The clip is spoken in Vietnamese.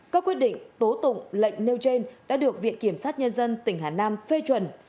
các quyết định tố tụng lệnh nêu trên đã được viện kiểm sát nhân dân tỉnh hà nam phê chuẩn